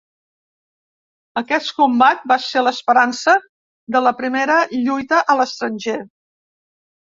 Aquest combat va ser l'esperança de la primera lluita a l'estranger.